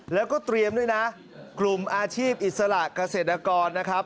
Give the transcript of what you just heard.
แล้วก็เตรียมด้วยนะกลุ่มอาชีพอิสระเกษตรกรนะครับ